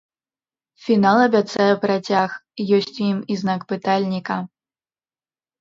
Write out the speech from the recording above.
Фінал абяцае працяг, ёсць у ім і знак пытальніка.